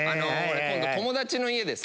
今度友達の家でさ